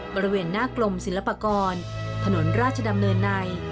บริเวณหน้ากลมศิลปากรถนนราชดำเนินใน